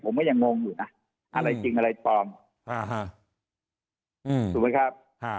ผมก็ยังงงอยู่น่ะอืมอะไรจริงอะไรปลอมอฮ่าอืมถูกไหมครับ